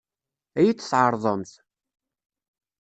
Ad iyi-t-tɛeṛḍemt?